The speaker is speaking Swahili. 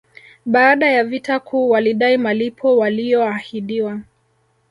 Baada ya vita kuu walidai malipo waliyoahidiwa